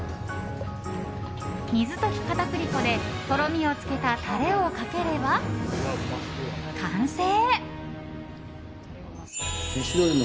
水溶き片栗粉で、とろみをつけたタレをかければ完成。